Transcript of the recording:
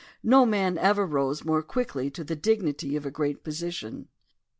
No man ever rose more quickly to the dignity of a great posi tion.